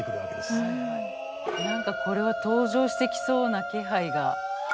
何かこれは登場してきそうな気配が。